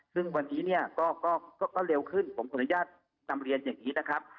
ซึ่งวันนี้เนี่ยก็เร็วขึ้นผมขออนุญาตนำเรียนอย่างนี้นะครับ